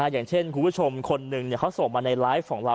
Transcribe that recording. อย่างเช่นคุณผู้ชมคนหนึ่งเขาส่งมาในไลฟ์ของเรา